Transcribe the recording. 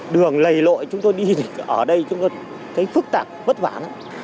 đường lầy lội chúng tôi đi thì ở đây chúng tôi thấy phức tạp vất vả lắm